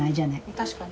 確かに。